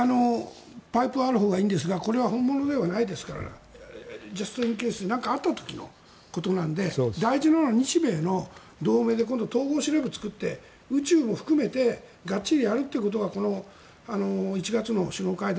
パイプはあるほうがいいんですがこれは本物ではないですからジャスト・イン・ケースで何かあった時のことなので大事なのは日米の同盟で今度は統合司令部を作って宇宙も含めてがっちりやるということが１月の首脳会談